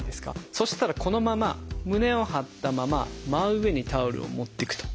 そしたらこのまま胸を張ったまま真上にタオルを持っていくと。